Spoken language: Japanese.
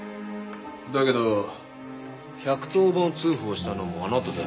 だけど１１０番通報したのもあなただよね？